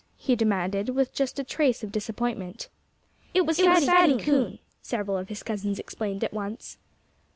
he demanded with just a trace of disappointment. "It was Fatty Coon," several of his cousins explained at once.